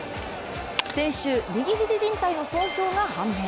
先週、右肘じん帯の損傷が判明。